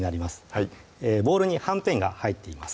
はいボウルにはんぺんが入っています